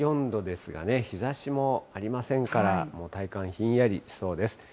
１４度ですがね、日ざしもありませんから、体感、ひんやりしそうです。